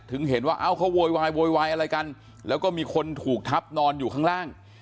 ถึงเห็นว่าเอ้าเขาโวยวายโวยวายอะไรกันแล้วก็มีคนถูกทับนอนอยู่ข้างล่าง